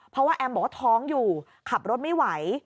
เพราะว่าแอมบอกว่าท้องอยู่ขับรถไม่ไหว